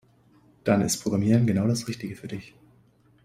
Dann ist Programmieren genau das Richtige für dich.